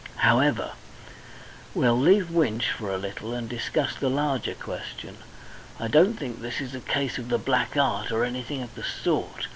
"However, we'll leave Winch for a little and discuss the larger question. I don't think this is a case of the black art or anything of the sort.